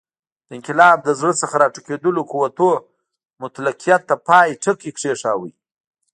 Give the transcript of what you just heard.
د انقلاب له زړه څخه راټوکېدلو قوتونو مطلقیت ته پای ټکی کېښود.